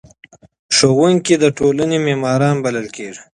ښوونکي د ټولنې معماران بلل کیږي.